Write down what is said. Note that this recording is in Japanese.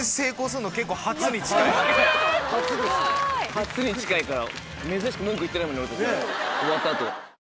初に近いから。